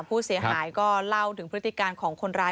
ผู้เสียหายก็เล่าถึงพฤติการของคนร้าย